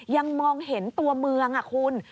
ยังมองเห็นตัวเมืองคุณ